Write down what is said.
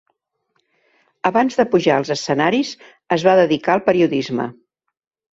Abans de pujar als escenaris es va dedicar al periodisme.